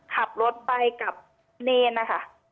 ขับรถไปกับเนรนะคะ